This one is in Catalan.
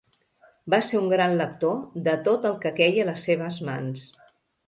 Va ser un gran lector de tot el que queia a les seves mans.